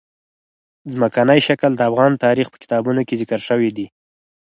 ځمکنی شکل د افغان تاریخ په کتابونو کې ذکر شوی دي.